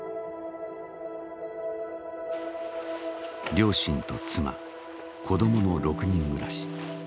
両親と妻子どもの６人暮らし。